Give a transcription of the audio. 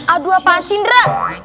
aduh apaan sindra